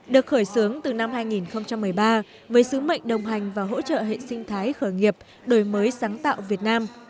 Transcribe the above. được khởi xướng từ năm hai nghìn một mươi ba với sứ mệnh đồng hành và hỗ trợ hệ sinh thái khởi nghiệp đổi mới sáng tạo việt nam